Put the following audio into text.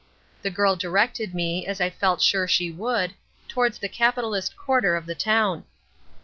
The girl directed me, as I felt sure she would, towards the capitalist quarter of the town.